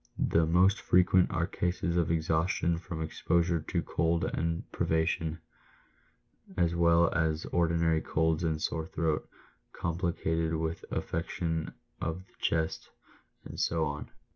" The most frequent are cases of exhaustion from exposure to cold and privation, as well as ordinary colds and sore throat, complicated with affection of the chest, and so on.